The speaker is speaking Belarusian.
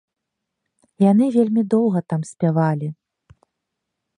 Яны вельмі доўга там спявалі.